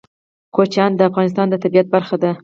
کوچیان د افغانستان د طبیعت برخه ده.